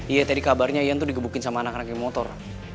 iya tadi kabarnya ian tuh di gebukin sama anak anaknya motor